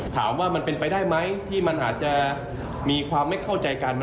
ถามว่ามันเป็นไปได้ไหมที่มันอาจจะมีความไม่เข้าใจกัน